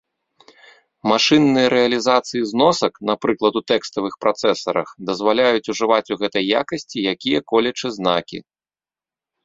Машынныя рэалізацыі зносак, напрыклад, у тэкставых працэсарах, дазваляюць ужываць у гэтай якасці якія-колечы знакі.